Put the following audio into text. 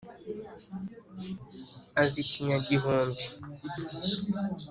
Az ikinyagihumbi